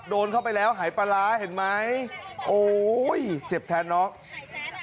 โดนเข้าไปแล้วหายปลาร้าเห็นไหมโอ้ยเจ็บแทนน้อง